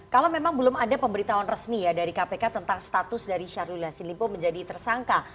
kalau memang belum ada pemberitahuan resmi ya dari kpk tentang status dari syahrul yassin limpo menjadi tersangka